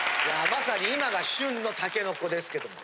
まさに今が旬のたけのこですけども。